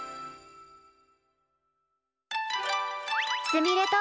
すみれと。